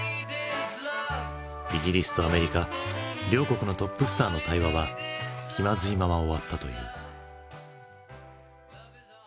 イギリスとアメリカ両国のトップスターの対話は気まずいまま終わったという。